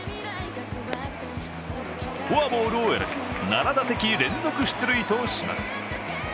フォアボールを選び、７打席連続出塁とします。